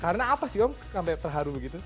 karena apa sih om sampai terharu begitu